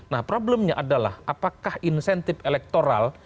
nah problemnya adalah apakah insentif elektoral